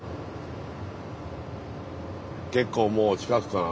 結構もう近くかな？